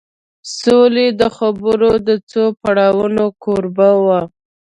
سولې د خبرو د څو پړاوونو کوربه و